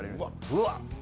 うわっ！